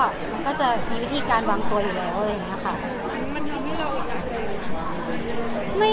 มันก็จะมีวิธีการวางตัวอยู่แล้วอะไรอย่างนี้ค่ะ